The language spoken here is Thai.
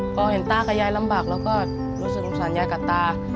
พอเห็นตากับยายลำบากเราก็รู้สึกสงสารยายกับตา